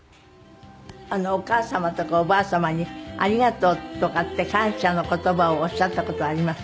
お母様とかおばあ様に「ありがとう」とかって感謝の言葉をおっしゃった事はあります？